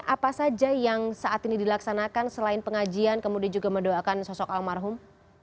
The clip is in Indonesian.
apa saja yang saat ini dilaksanakan selain pengajian kemudian juga mendoakan sosok almarhum